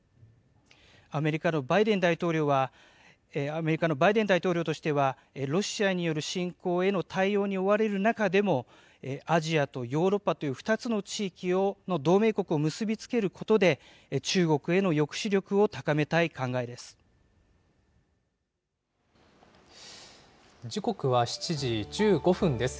アメリカのバイデン大統領としては、ロシアによる侵攻への対応に追われる中でも、アジアとヨーロッパという２つの地域の同盟国を結び付けることで、中国への抑止力を高めたい考えです。